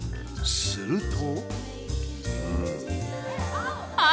すると。